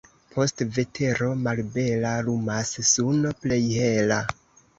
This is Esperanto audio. Post vetero malbela lumas suno plej hela.